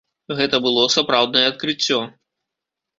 Гэта было сапраўднае адкрыццё.